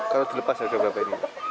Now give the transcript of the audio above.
kalau dilepas ada berapa ini